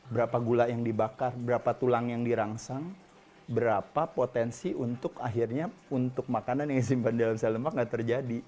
berapa gula yang dibakar berapa tulang yang dirangsang berapa potensi untuk akhirnya untuk makanan yang disimpan di dalam sel lemak nggak terjadi